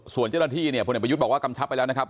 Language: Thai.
ส่วนเจ้าหน้าที่เนี่ยพลเอกประยุทธ์บอกว่ากำชับไปแล้วนะครับ